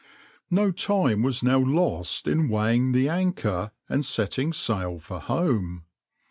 \par No time was now lost in weighing the anchor and setting sail for home.